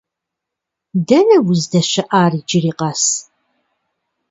Дэнэ уздэщыӏар иджыри къэс?